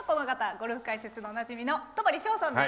ゴルフ解説でおなじみの戸張捷さんです。